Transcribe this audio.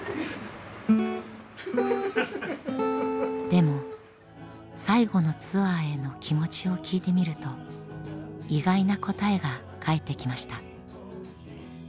でも最後のツアーへの気持ちを聞いてみると意外な答えが返ってきました。